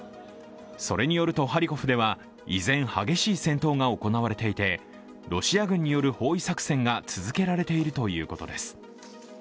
それによるとハリコフでは依然、激しい戦闘が行われていて、ロシア軍による包囲作戦が続けられているということです。